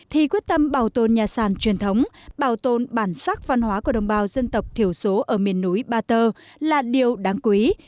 thì quyết tâm bảo tồn nhà sàn truyền thống bảo tồn bản sắc văn hóa của đồng bào dân tộc thiểu số ở miền núi ba tơ là điều đáng quý